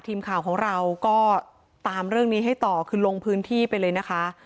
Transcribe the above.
ทีมข่าวของเราก็ตามเรื่องนี้ให้ต่อคือลงพื้นที่ไปเลยนะคะ